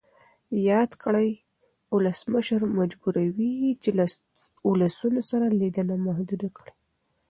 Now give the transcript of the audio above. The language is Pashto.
یاده کړۍ ولسمشر مجبوروي چې له ولسونو سره لیدنه محدوده کړي.